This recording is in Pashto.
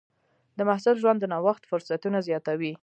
د محصل ژوند د نوښت فرصتونه زیاتوي.